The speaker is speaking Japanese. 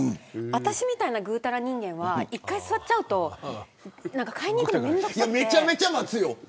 私みたいなぐうたら人間は１回座っちゃうと買いに行くのめんどくさくて。